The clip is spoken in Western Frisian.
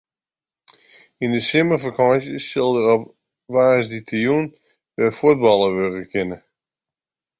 Yn de simmerfakânsje sil der op woansdeitejûn wer fuotballe wurde kinne.